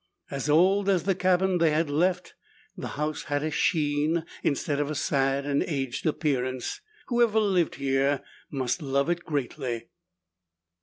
As old as the cabin they had left, the house had a sheen instead of a sad and aged appearance. Whoever lived here must love it greatly.